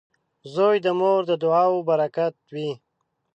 • زوی د مور د دعاو برکت وي.